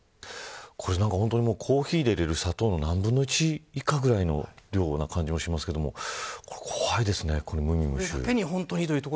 本当にコーヒーに入れる砂糖の何分の１以下ぐらいの量な感じもしますけれども怖いですね、無味無臭。